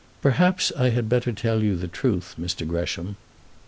Perhaps I had better tell you the truth, Mr. Gresham."